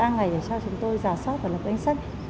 ba ngày để cho chúng tôi giả soát và lập đánh sách